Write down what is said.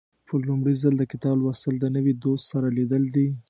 په لومړي ځل د کتاب لوستل د نوي دوست سره لیدل دي.